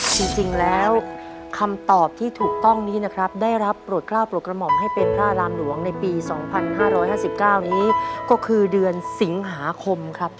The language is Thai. จริงแล้วคำตอบที่ถูกต้องนี้นะครับได้รับโปรดกล้าวโปรดกระหม่อมให้เป็นพระอารามหลวงในปี๒๕๕๙นี้ก็คือเดือนสิงหาคมครับ